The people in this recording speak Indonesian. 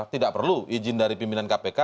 tidak perlu izin dari pimpinan kpk